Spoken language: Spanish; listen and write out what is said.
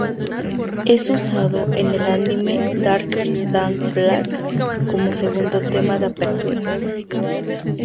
Es usado en el anime Darker than black como segundo tema de apertura.